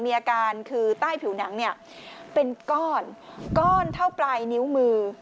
มีอาการคือใต้ผิวหนังเป็นก้อนเก้าปลายนิ้วมือ